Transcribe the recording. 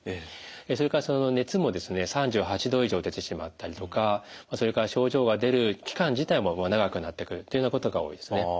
それから熱も３８度以上出てしまったりとかそれから症状が出る期間自体も長くなってくるというようなことが多いですね。